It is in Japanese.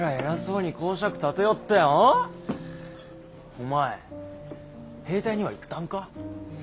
お前兵隊には行ったんか？